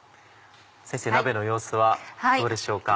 先生鍋の様子はどうでしょうか？